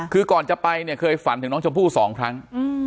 คือก่อนจะไปเนี่ยเคยฝันถึงน้องชมพู่๒ครั้ง